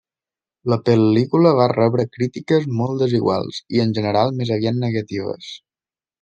La pel·lícula va rebre crítiques molt desiguals, i en general més aviat negatives.